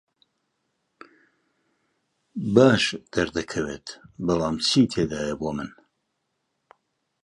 باش دەردەکەوێت، بەڵام چی تێدایە بۆ من؟